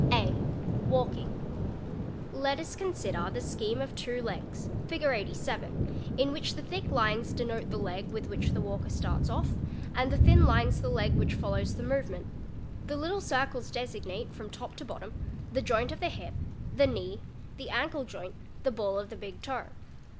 (a) Walking. : Let us consider the scheme of two legs (Fig. 87), in which the thick "lines denote the leg with which the walker starts off and the thin lines the "leg which follows the movement. The little circles designate, from top |© bottom; the joint of the hip, the knee, the ankle joint, the ball of the ig toe.